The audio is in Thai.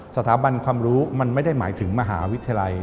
สถาบันความรู้มันไม่ได้หมายถึงมหาวิทยาลัย